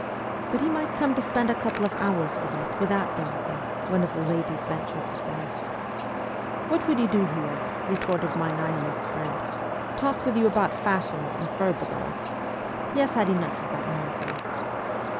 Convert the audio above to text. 'But he might come to spend a couple of hours with us, without dancing,' one of the ladies ventured to say. ' What would he do here ?' retorted my Nihilist friend, ' talk with you about fashions and furbelows? He has had enough of that nonsense.'